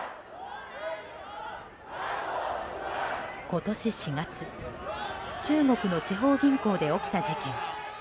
今年４月中国の地方銀行で起きた事件。